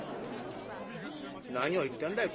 「何を言ってんだい